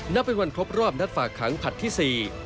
นับเป็นวันครบรอบนัดฝากขังผลัดที่๔